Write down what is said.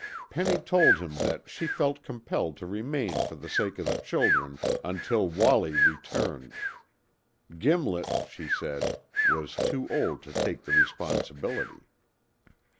Penny told him that she felt compelled to remain for the sake of the children until Wallie returned. Gimlet, she said, was too old to take the responsibility.